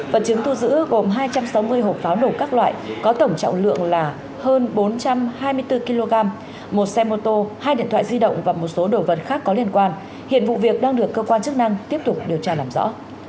vật chứng thu giữ gồm hai trăm sáu mươi hộp pháo nổ các loại có tổng trọng lượng là hơn bốn trăm hai mươi bốn kg một xe mô tô hai điện thoại di động và một số đồ vật khác có liên quan hiện vụ việc đang được cơ quan chức năng tiếp tục điều tra làm rõ